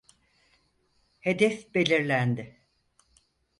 Hedef belirlendi.